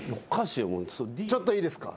ちょっといいですか？